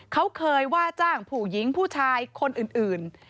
เขาเคยว่าจ้างผู้หญิงผู้ชายคนอื่น